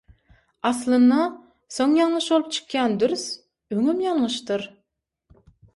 Aslynda, soň ýalňyş bolup çykýan dürs, öňem ýalňyşdyr